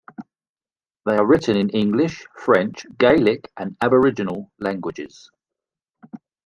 They are written in English, French, Gaelic and Aboriginal languages.